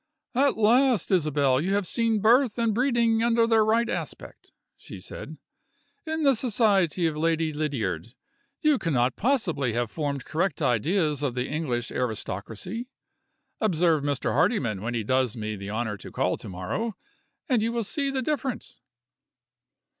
"At last, Isabel, you have seen birth and breeding under their right aspect," she said. "In the society of Lady Lydiard, you cannot possibly have formed correct ideas of the English aristocracy. Observe Mr. Hardyman when he does me the honor to call to morrow and you will see the difference."